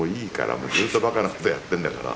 もうずっとばかなことやってんだから。